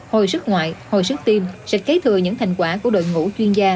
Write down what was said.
hồi sức ngoại hồi sức tiêm sẽ kế thừa những thành quả của đội ngũ chuyên gia